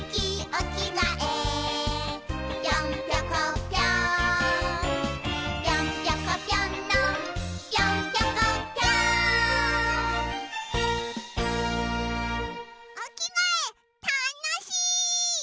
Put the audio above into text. おきがえたのしい！